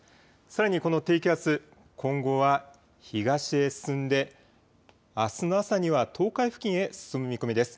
さらにこの低気圧、今後は東へ進んであすの朝には東海付近へ進む見込みです。